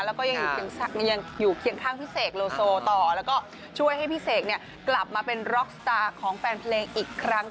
แล้วก็ยังอยู่เคียงข้างพี่เสกโลโซต่อแล้วก็ช่วยให้พี่เสกกลับมาเป็นร็อกสตาร์ของแฟนเพลงอีกครั้ง